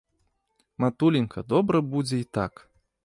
Матуленька, добра будзе і так.